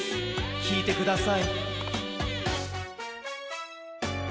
きいてください。